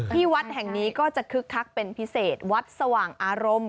ที่วัดแห่งนี้ก็จะคึกคักเป็นพิเศษวัดสว่างอารมณ์